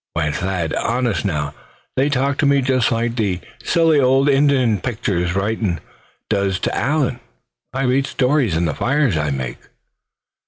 Why, Thad, honest now, they talk to me just like that silly old Injun picture writin' does to Allan. I read stories in the fires I make."